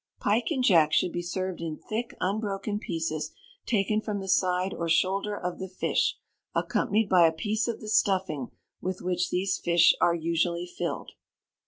Pike and Jack should be served in thick unbroken pieces taken from the side or shoulder of the fish accompanied by a piece of the stuffing with which these fish are usually filled.